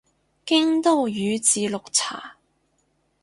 京都宇治綠茶